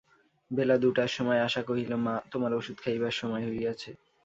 বেলা দুটার সময় আশা কহিল, মা, তোমার ওষুধ খাইবার সময় হইয়াছে।